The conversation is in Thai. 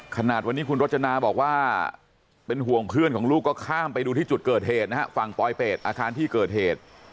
ขนาดวันนี้คุณรจนาบอกว่าเป็นห่วงเพื่อนของลูกก็ข้ามไปดูที่จุดเกิดเหตุนะฮะฝั่งปลอยเป็ดอาคารที่เกิดเหตุ